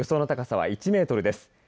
予想の高さは１メートルです。